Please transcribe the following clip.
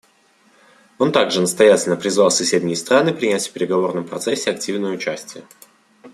Он также настоятельно призвал соседние страны принять в переговорном процессе активное участие.